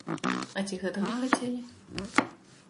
А ці гэтага хацелі?